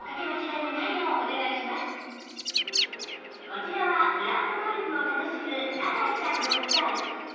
こちらはグラウンド・ゴルフを楽しむ永井さんご夫妻